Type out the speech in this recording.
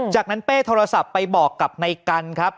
จากนั้นเป้โทรศัพท์ไปบอกกับในกันครับ